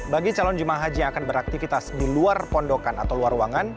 bagi calon jemaah haji yang akan beraktivitas di luar pondokan atau luar ruangan